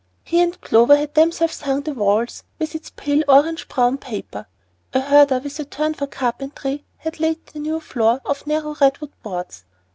He and Clover had themselves hung the walls with its pale orange brown paper; a herder with a turn for carpentry had laid the new floor of narrow redwood boards.